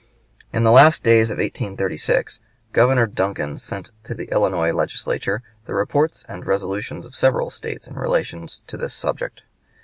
In the last days of 1836 Governor Duncan sent to the Illinois Legislature the reports and resolutions of several States in relation to this subject.